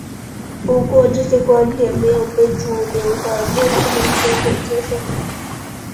不过这些观点没有被主流的穆斯林学者接受。